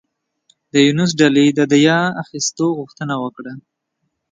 د یونس ډلې د دیه اخیستو غوښتنه وکړه.